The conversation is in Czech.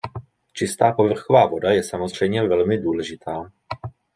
Čistá povrchová voda je samozřejmě velmi důležitá.